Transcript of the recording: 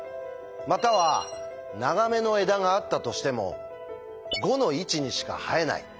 または長めの枝があったとしても５の位置にしか生えない。